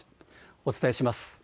お伝えします。